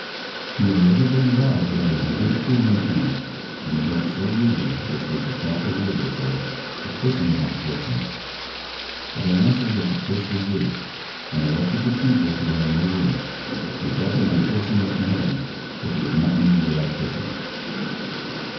Nearly everybody vowed that I was a great fool indeed, to neglect so rudely which was the proper word, they said the pushing of my fortunes. But I answered that to push was rude, and I left it to people who had no room; and thought that my fortune must be heavy, if it would not move without pushing.